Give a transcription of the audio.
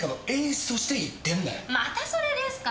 またそれですか？